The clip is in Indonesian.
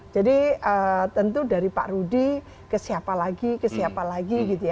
jadi tentu dari pak rudi ke siapa lagi ke siapa lagi gitu ya